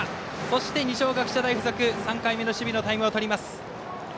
そして、二松学舎大付属３回目の守備のタイムをとります。